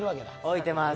置いてます。